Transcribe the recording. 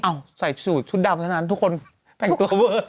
เอาใส่ชุดชุดดำทั้งนั้นทุกคนแฟนครูโอเวอร์